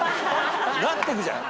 なってくじゃん。